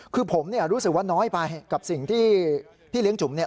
คือผมเนี่ยรู้สึกว่าน้อยไปกับสิ่งที่พี่เลี้ยงจุ๋มเนี่ย